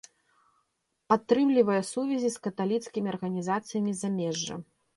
Падтрымлівае сувязі з каталіцкімі арганізацыямі замежжа.